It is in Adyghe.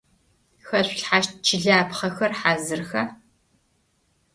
Хэшъулъхьащт чылапхъэхэр хьазырха?